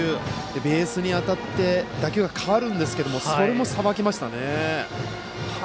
ベースに当たって打球が変わるんですけれどもそれもさばきましたね。